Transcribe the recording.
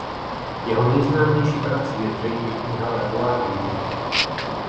Jeho nejznámější prací je zřejmě kniha "Le Roi du Monde".